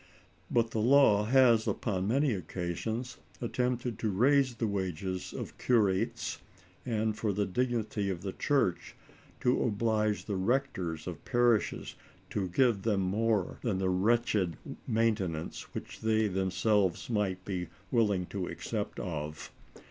But the law has upon many occasions attempted to raise the wages of curates, and, for the dignity of the Church, to oblige the rectors of parishes to give them more than the wretched maintenance which they themselves might be willing to accept of.